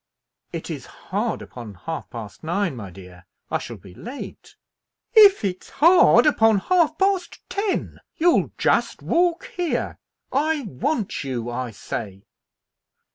"It is hard upon half past nine, my dear. I shall be late." "If it's hard upon half past ten, you'll just walk here. I want you, I say."